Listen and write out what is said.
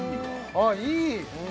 ああいい！